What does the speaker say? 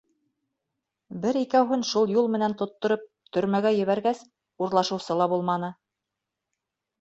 Бер икәүһен шул юл менән тоттороп, төрмәгә ебәргәс, урлашыусы ла булманы...